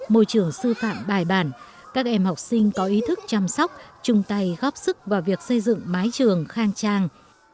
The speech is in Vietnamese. môi trường sư phạm bài bản các em học sinh có ý thức chăm sóc chung tay góp sức vào việc xây dựng mái trường khang trang